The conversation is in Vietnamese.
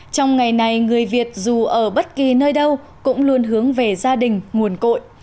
trong ngày này người việt dù ở bất kỳ nơi đâu cũng luôn hướng về gia đình nguồn cội